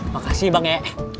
makasih bang e